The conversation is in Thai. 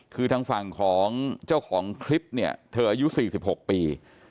คือทางฝั่งของเจ้าของคลิปเนี่ยเธออายุ๔๖ปี